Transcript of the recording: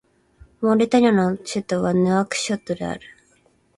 モーリタニアの首都はヌアクショットである